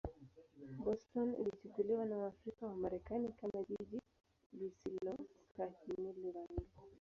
Boston ilichukuliwa na Waafrika-Wamarekani kama jiji lisilostahimili rangi.